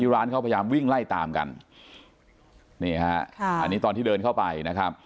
ร้านเขาพยายามวิ่งไล่ตามกันนี่ฮะค่ะอันนี้ตอนที่เดินเข้าไปนะครับ